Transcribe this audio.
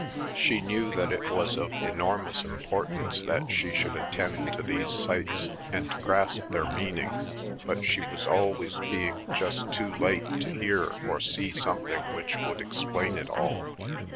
She knew that it was of enormous importance that she should attend to these sights and grasp their meaning, but she was always being just too late to hear or see something which would explain it all.